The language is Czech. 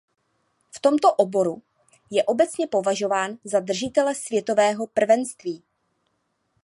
V tomto oboru je obecně považován za držitele světového prvenství.